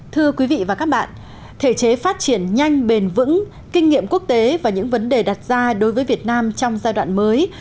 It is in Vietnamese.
thưa quý vị và các bạn thể chế phát triển nhanh bền vững kinh nghiệm quốc tế và những vấn đề đặt ra đối với việt nam trong giai đoạn mới